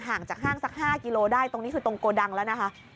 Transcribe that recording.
จากห้างสัก๕กิโลได้ตรงนี้คือตรงโกดังแล้วนะคะ